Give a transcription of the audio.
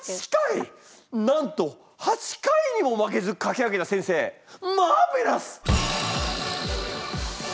なんと８回にも負けず書き上げた先生マーベラス！